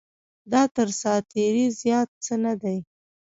دا تر ساعت تېرۍ زیات څه نه دی.